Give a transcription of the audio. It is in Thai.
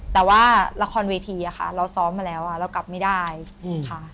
แต่ว่าละครเวทีอะค่ะเราซ้อมมาแล้วเรากลับไม่ได้ค่ะ